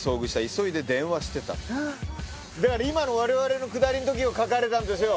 だから今のわれわれのくだりのときを書かれたんですよ。